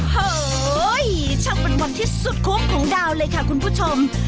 เฮ้ยช่างเป็นวันที่สุดคุกของดาวเลยค่ะคุณผู้ชม